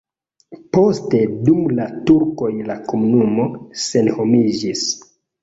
Poste dum la turkoj la komunumo senhomiĝis.